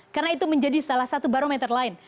karena itu menjadi salah satu barometer lain